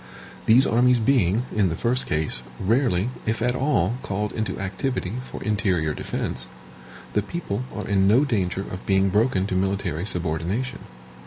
These armies being, in the first case, rarely, if at all, called into activity for interior defense, the people are in no danger of being broken to military subordination.